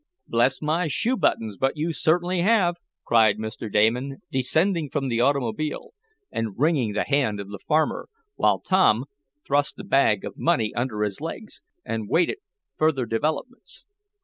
"Bless my shoe buttons, but you certainly have!" cried Mr. Damon, descending from the automobile, and wringing the hand of the farmer, while Tom, thrust the bag of money under his legs and waited further developments.